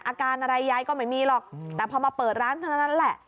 อาการอะไรยายก็ไม่มีหรอกแต่พอมาเปิดร้านเท่านั้นแหละ